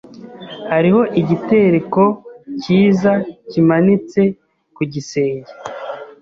Hariho igitereko cyiza kimanitse ku gisenge.